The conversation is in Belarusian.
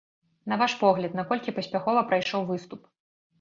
На ваш погляд, наколькі паспяхова прайшоў выступ?